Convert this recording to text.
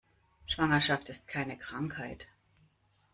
Schwangerschaft ist keine Krankheit.